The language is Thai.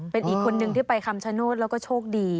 เป็นอีกคนนึงที่ไปคำชโนธแล้วก็โชคดี